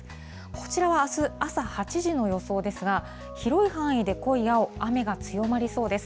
こちらはあす朝８時の予想ですが、広い範囲で濃い青、雨が強まりそうです。